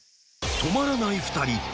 ［止まらない２人］